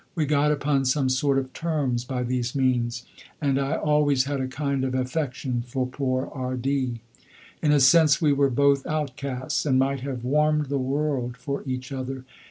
We got upon some sort of terms by these means, and I always had a kind of affection for poor R d. In a sense we were both outcasts, and might have warmed the world for each other.